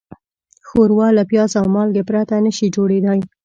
ښوروا له پیاز او مالګې پرته نهشي جوړېدای.